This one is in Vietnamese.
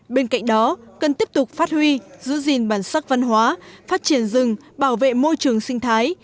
bên cạnh đó cần tiếp tục phát huy giữ gìn bản sắc văn hóa phát triển rừng bảo vệ môi trường sinh thái